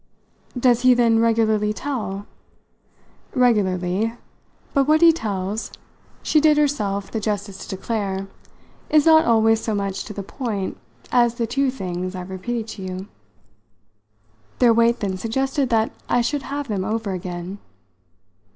"Does he then regularly tell?" "Regularly. But what he tells," she did herself the justice to declare, "is not always so much to the point as the two things I've repeated to you." Their weight then suggested that I should have them over again.